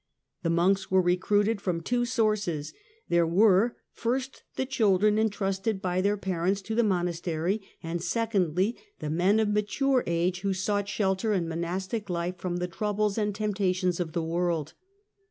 The monks were recruited from two sources. There were, first, the children entrusted by their parents to the monastery ; and, secondly, the men of mature age who sought shelter in monastic life from the troubles and temptations of the world.